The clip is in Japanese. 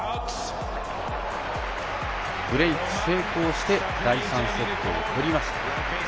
ブレーク成功して第３セットを取りました。